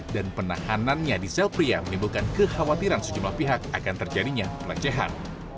dan penahanannya di selpriya menimbulkan kekhawatiran sejumlah pihak akan terjadinya pelecehan